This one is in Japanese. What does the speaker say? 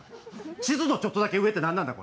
地図のちょっとだけ上って何なんだ